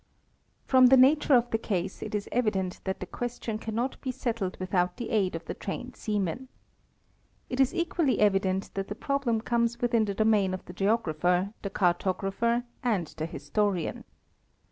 From the nature of the case it is evident that the question cannot be settled without the aid of the trained seaman. It is equally evident that the problem comes within the domain of the geographer, the cartographer and the historian.